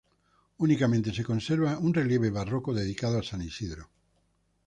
Únicamente se conserva un relieve barroco dedicado a San Isidro.